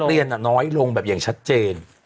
เด็กเรียนน่ะน้อยลงแบบอย่างชัดเจน